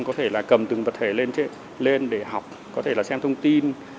có thể là cầm từng vật thể lên để học có thể là xem thông tin